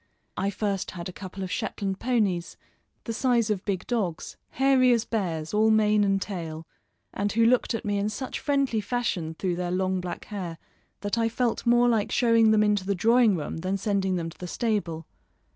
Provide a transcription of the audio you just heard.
I first had a couple of Shetland ponies, the size of big dogs, hairy as bears, all mane and tail, and who looked at me in such friendly fashion through their long black hair that I felt more like showing them into the drawing room than sending them to the stable.